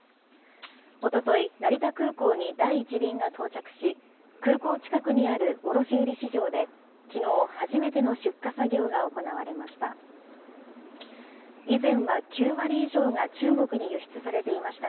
おととい、成田空港に第１便が到着し、空港近くにある卸売市場で、きのう初めての出荷作業が行われました。